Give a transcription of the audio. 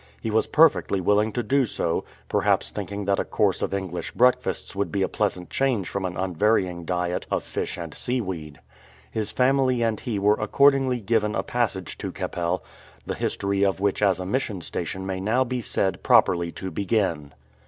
He was perfectly willing to do so, perhaps thinking that a course of English breakfasts would be a pleasant change from an unvarying diet of fish and seaweed. His family and he were accordingly given a passage to Keppel, the history of which as a mission station may now be said properly to begin.